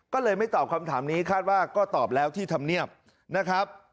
ก็เลยไม่ตอบคำถามนี้คาดว่าก็ตอบแล้วที่ธรรมเนียบนะครับ